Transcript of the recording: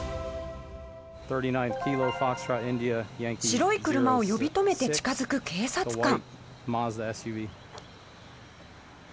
白い車を呼び止めて近づく警察官。